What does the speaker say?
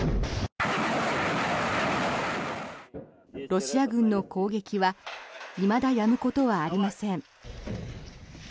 ロシア軍の攻撃はいまだやむことはありません。